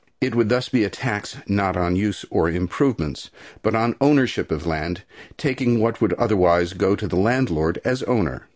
It would thus be a tax, not on use or improvements, but on ownership of land, taking what would otherwise go to the landlord as owner.